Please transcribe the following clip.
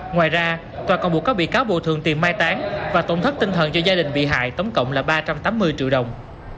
ngoài ra tòa còn buộc các bị cáo bộ thường tiền mai tán và tổn thất tinh thần cho gia đình bị hại tổng cộng là ba trăm tám mươi triệu đồng